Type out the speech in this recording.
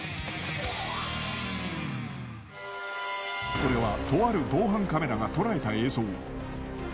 これはとある防犯カメラが捉えた映像。